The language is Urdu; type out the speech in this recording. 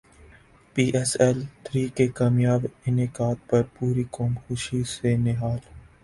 پی ایس ایل تھری کے کامیاب انعقاد پر پوری قوم خوشی سے نہال